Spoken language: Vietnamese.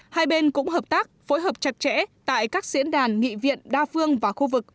hai bên cũng hợp tác phối hợp chặt chẽ tại các diễn đàn nghị viện đa phương và khu vực